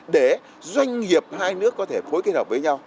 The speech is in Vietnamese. để doanh nghiệp hai nước có thể phối kết hợp với nhau